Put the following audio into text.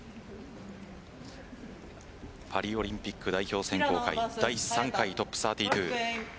パリオリンピック代表選考第３回ＴＯＰ３２。